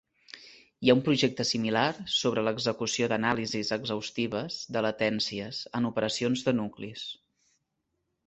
Hi ha un projecte similar sobre l'execució d'anàlisis exhaustives de latències en operacions de nuclis.